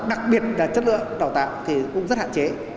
đặc biệt là chất lượng đào tạo thì cũng rất hạn chế